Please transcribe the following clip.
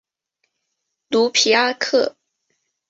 卢皮阿克。